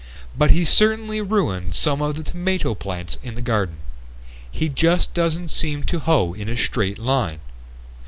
"But he certainly ruined some of the tomato plants in the garden. He just doesn't seem to hoe in a straight line.